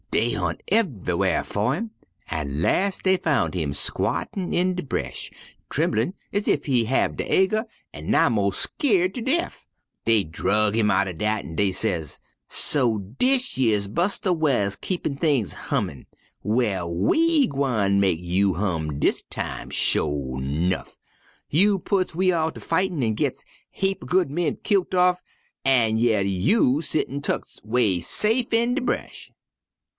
Dey hunt ev'ywhar fer him an' las' dey foun' him squattin' in de bresh, tremlin' ez ef he have de ager an' nigh mos' skeert ter de'f. Dey drug him outen dat an' dey ses: 'So dish yer's Buster whar keep things hummin'! Well, we gwine mek you hum dis time, sho' 'nuff. You putts we all ter fightin' an' gits heap er good men kilt off, an' yer you settin' tuck 'way safe in de bresh.'